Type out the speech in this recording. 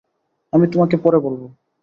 আমি তোমাকে পরে বলব।